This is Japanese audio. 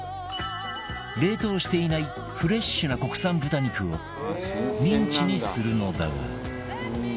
冷凍していないフレッシュな国産豚肉をミンチにするのだが